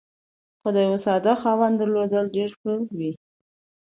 خو د یوه ساده خاوند درلودل ډېر ښه وي.